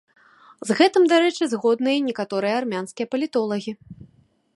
З гэтым, дарэчы, згодныя і некаторыя армянскія палітолагі.